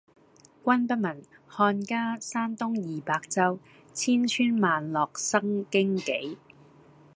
君不聞，漢家山東二百州，千村萬落生荊杞！